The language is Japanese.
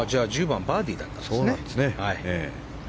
１０番バーディーだったんですね。